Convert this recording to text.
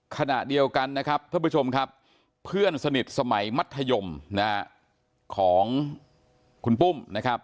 ขณะเดียวกันนะครับเพื่อนสนิทสมัยมัธยมของคุณปุ้มนะครับ